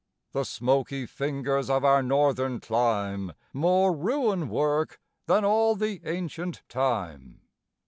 The smoky fingers of our northern clime More ruin work than all the ancient time.